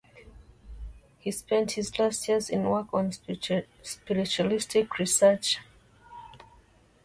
He spent his last years in work on spiritualistic research.